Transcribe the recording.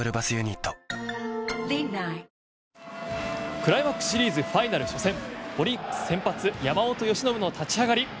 クライマックスシリーズファイナル初戦オリックス先発、山本由伸の立ち上がり。